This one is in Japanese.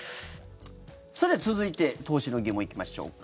さて、続いて投資の疑問、行きましょうか。